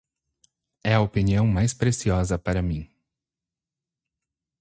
É a opinião mais preciosa para mim.